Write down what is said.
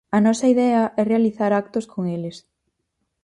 A nosa idea é realizar actos con eles.